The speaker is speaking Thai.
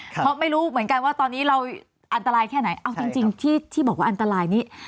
เพราะไม่รู้เหมือนกันว่าตอนนี้เราอันตรายแค่ไหนเอาจริงที่บอกว่าอันตรายนี้